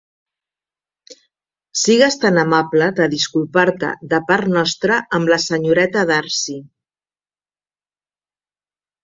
Sigues tan amable de disculpar-te de part nostra amb la senyoreta Darcy.